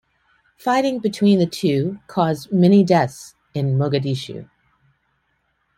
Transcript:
Fighting between the two caused many deaths in Mogadishu.